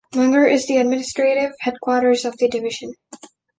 Munger is the administrative headquarters of the division.